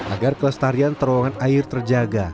agar kelestarian terowongan air terjaga